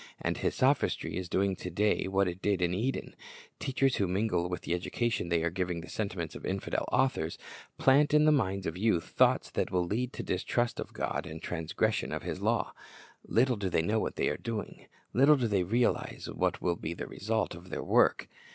And his sophistry is doing to day what it did in Eden. Teachers who mingle with the education they are giving the sentiments of infidel authors, plant in the minds of youth thoughts that will lead to distrust of God and transgression of His law. Little do they know what they are doing. Little do they realize what will be the result of their work.